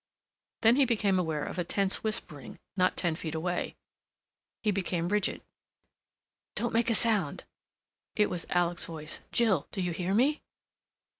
Then he became aware of a tense whispering not ten feet away. He became rigid. "Don't make a sound!" It was Alec's voice. "Jill—do you hear me?"